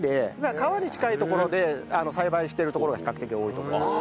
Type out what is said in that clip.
川に近い所で栽培している所が比較的多いと思いますね。